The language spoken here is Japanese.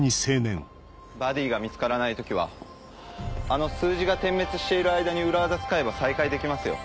バディが見つからない時はあの数字が点滅している間に裏技使えば再会できますよ。